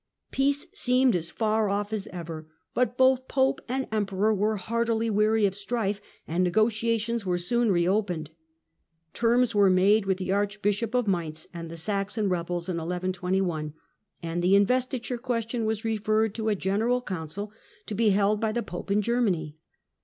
Peace seemed as far off as ever, but both Pope and Em peror were heartily weary of strife, and negotiations were soon reopened. Terms were made with the Archbishop of Mainz and the Saxon rebels in 1121, and the investiture question was referred to a general Council, to be held by the Pope in Germany.